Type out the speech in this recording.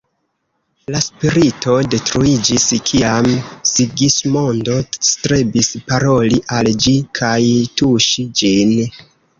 La spirito detruiĝis kiam Sigismondo strebis paroli al ĝi kaj tuŝi ĝin.